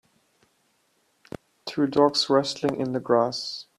Two dogs wrestling in the grass